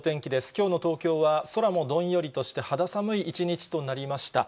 きょうの東京は、空もどんよりとして肌寒い一日となりました。